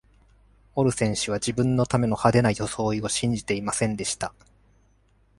オルセン氏は自分のための派手な装いを信じていませんでした。